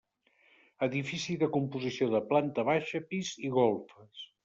Edifici de composició de planta baixa, pis i golfes.